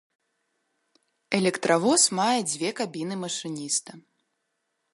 Электравоз мае дзве кабіны машыніста.